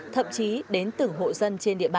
thậm chí đến tử hộ dân